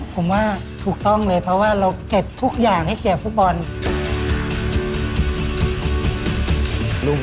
ผมว่าถูกต้องเลยเพราะว่าเราเก็บทุกอย่างให้เกียรติฟุตบอล